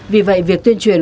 vì vậy việc tuyên truyền